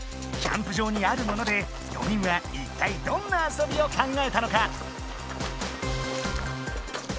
キャンプ場にあるもので４人はいったいどんな遊びを考えたのか？